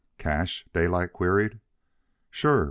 "Cash?" Daylight queried. "Sure.